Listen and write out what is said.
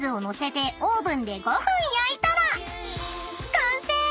［完成！